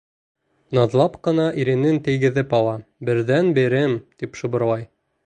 Наҙлап ҡына иренен тейгеҙеп ала, «берҙән-берем» тип шыбырлай.